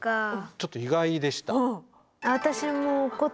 ちょっと意外でした。